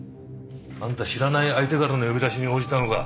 あんた知らない相手からの呼び出しに応じたのか？